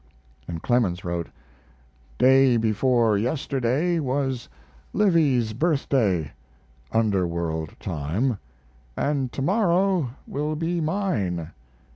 And Clemens wrote: Day before yesterday was Livy's birthday (underworld time) & tomorrow will be mine.